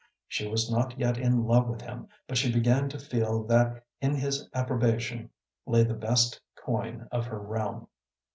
She was not yet in love with him, but she began to feel that in his approbation lay the best coin of her realm.